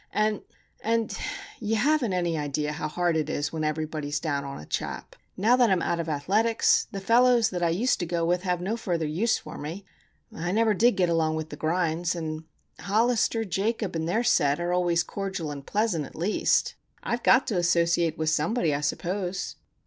And,—and, you haven't any idea how hard it is when everybody is down on a chap. Now that I'm out of athletics the fellows I used to go with have no further use for me; I never did get along with the grinds; and Hollister, Jacobs, and their set are always cordial and pleasant, at least. I've got to associate with somebody, I suppose?